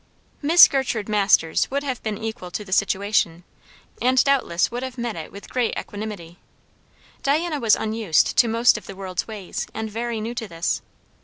Miss Gertrude Masters would have been equal to the situation, and doubtless would have met it with great equanimity; Diana was unused to most of the world's ways, and very new to this.